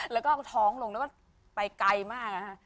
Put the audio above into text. แล้วก็ท้องลงแล้วก็ไปไกลมาก